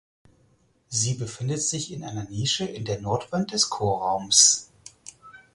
Sie befindet sich in einer Nische in der Nordwand des Chorraums.